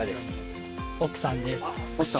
奥さんです。